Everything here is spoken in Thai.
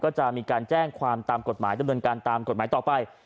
ก็จะมีการแจ้งความตามกฎหมายดำเนินการตามกฎหมายต่อไป